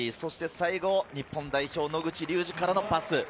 最後は日本代表・野口竜司からのパス。